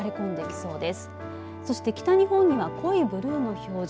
そして北日本では濃いブルーの表示。